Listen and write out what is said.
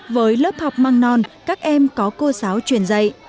với lớp học mầm non các em có cô giáo truyền dạy